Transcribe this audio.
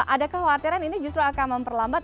ada kekhawatiran ini justru akan memperlambat